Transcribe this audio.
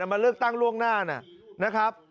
มาเลือกตั้งล่วงหน้านะครับ